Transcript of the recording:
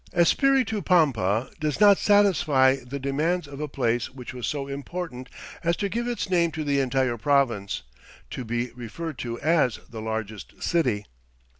Espiritu Pampa does not satisfy the demands of a place which was so important as to give its name to the entire province, to be referred to as "the largest city."